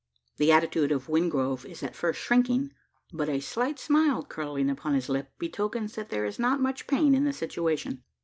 The attitude of Wingrove is at first shrinking; but a slight smile curling upon his lip, betokens that there is not much pain in the situation.